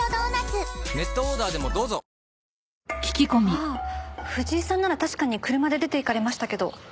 ああ藤井さんなら確かに車で出て行かれましたけど。